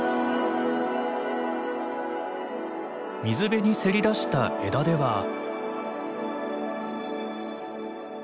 水辺にせり出した枝では。